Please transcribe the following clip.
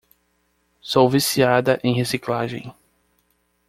Sou viciada em reciclagem.